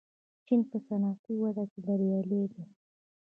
چین په صنعتي وده کې بریالی دی.